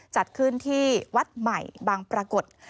จัดขึ้นที่วัดใหม่บางปรากฏ